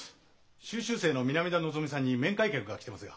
修習生の南田のぞみさんに面会客が来てますが。